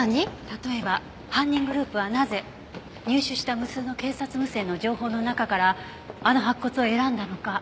例えば犯人グループはなぜ入手した無数の警察無線の情報の中からあの白骨を選んだのか？